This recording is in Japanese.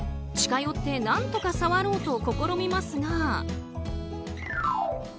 近寄って何とか触ろうと試みますが。